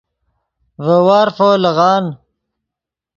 ڤے وارفو لیغان